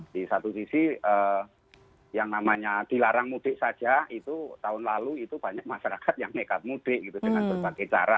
di satu sisi yang namanya dilarang mudik saja itu tahun lalu itu banyak masyarakat yang nekat mudik gitu dengan berbagai cara